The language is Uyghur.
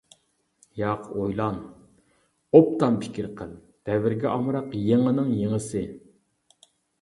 ياق، ئويلان. ئوبدان پىكىر قىل، دەۋرگە ئامراق يېڭىنىڭ يېڭىسى.